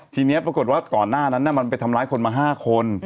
ทีนี้ปรากฏว่าก่อนหน้านั้นมันไปทำร้ายคนมา๕คน